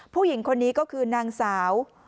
ผู้หญิงคนนี้ก็คือนางสาว